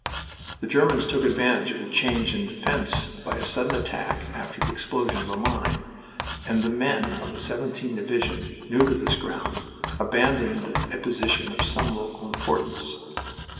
The Germans took advantage of the change in defense by a sudden attack after the explosion of a mine, and the men of the 17th Division, new to this ground, abandoned a position of some local importance.